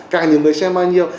càng nhiều người xem bao nhiêu